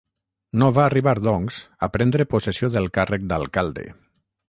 No va arribar, doncs, a prendre possessió del càrrec d'alcalde.